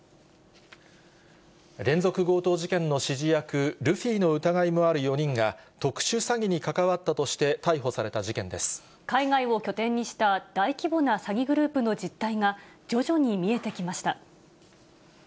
連続強盗事件の指示役、ルフィの疑いもある４人が、特殊詐欺に関わったとして逮捕さ海外を拠点にした大規模な詐欺グループの実態が、徐々に見えてきました。